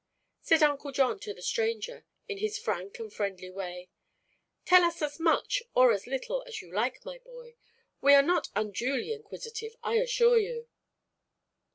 Said Uncle John to the stranger, in his frank and friendly way: "Tell us as much or as little as you like, my boy. We are not unduly inquisitive, I assure you."